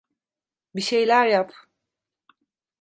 Birşeyler yap!